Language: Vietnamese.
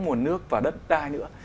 mùa nước và đất đai nữa